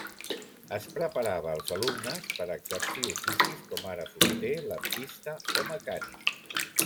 Es preparava als alumnes per a exercir oficis com ara fuster, lampista o mecànic.